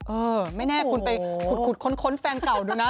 เออไม่แน่คุณไปขุดค้นแฟนเก่าดูนะ